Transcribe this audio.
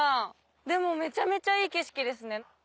でもめちゃめちゃいい景色ですね。